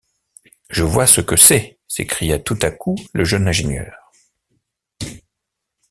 Je vois ce que c’est! s’écria tout à coup le jeune ingénieur.